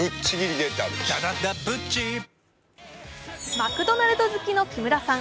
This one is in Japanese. マクドナルド好きの木村さん